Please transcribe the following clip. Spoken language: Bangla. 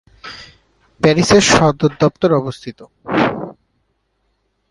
প্যারিসে এর সদর দপ্তর অবস্থিত।